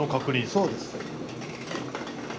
そうです。